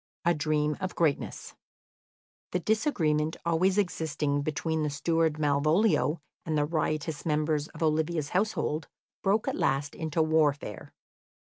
A Dream of Greatness The disagreement always existing between the steward Malvolio and the riotous members of Olivia's household broke at last into warfare.